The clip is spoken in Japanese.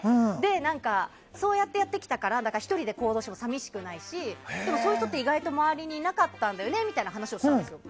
何か、そうやってやってきたから１人で行動してても寂しくないしでも、そういう人って意外と周りにいなかったんだよねっていう話をしたんですよ。